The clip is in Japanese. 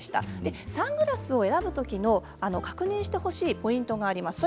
でサングラスを選ぶ時の確認してほしいポイントがあります。